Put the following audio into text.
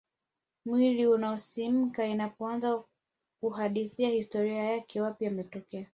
Mwiliunasisimka ninapoanza kuhadithia historia yake wapi ametoka